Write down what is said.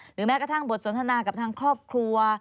แม้กระทั่งบทสนทนากับทางครอบครัว